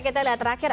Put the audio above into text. kita lihat terakhir